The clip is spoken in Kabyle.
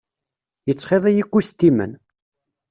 Yettxiḍi ikustimen.